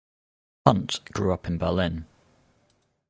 Hundt grew up in Berlin.